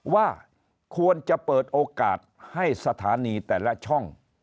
ว่าควรจะเปิดโอกาสให้สถานีแต่ละช่อง